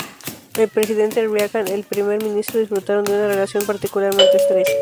El presidente Reagan y el primer ministro disfrutaron de una relación particularmente estrecha.